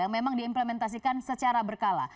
memang diimplementasikan secara berkala